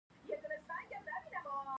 ځمکه څنګه حرکت کوي؟